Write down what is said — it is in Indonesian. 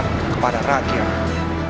dan para rakyat